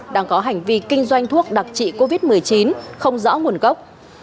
đang có hành vi kinh doanh thuốc đặc trị covid một mươi chín không rõ nguồn gốc